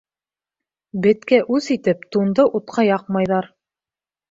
Беткә үс итеп, тунды утҡа яҡмайҙар.